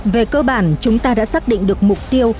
về cơ bản chúng ta đã xác định được mục tiêu